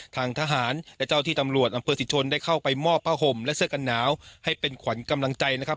ทางทหารและเจ้าที่ตำรวจอำเภอสิทธชนได้เข้าไปมอบผ้าห่มและเสื้อกันหนาวให้เป็นขวัญกำลังใจนะครับ